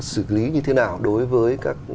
xử lý như thế nào đối với các